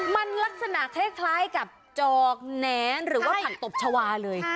มันลักษณะคล้ายกับจอกแหนหรือว่าผักตบชาวาเลย